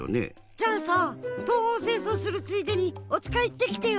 じゃあさ東奔西走するついでにおつかいいってきてよ。